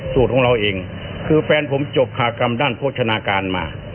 ของเราเองคือแฟนผมจบคากรรมด้านโภชนาการมา